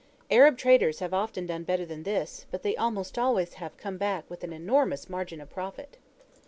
Arab traders have often done better than this, but they almost always have come back with an enormous margin of profit.